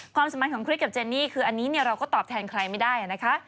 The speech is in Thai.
ความสัมพันธ์ของคริสกับเจนนี่คืออันนี้เราก็ตอบแทนใครไม่ได้นะคะ